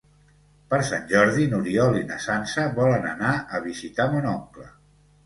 Per Sant Jordi n'Oriol i na Sança volen anar a visitar mon oncle.